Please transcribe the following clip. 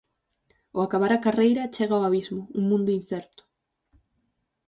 Ao acabar a carreira, chega o abismo, un mundo incerto.